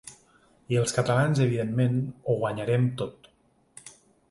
I els catalans evidentment ho guanyarem tot.